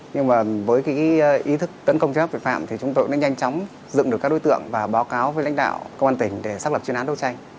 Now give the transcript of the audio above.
nhưng mà với cái ý thức tấn công chấn áp tội phạm thì chúng tôi cũng đã nhanh chóng dựng được các đối tượng và báo cáo với lãnh đạo công an tỉnh để xác lập chuyên án đấu tranh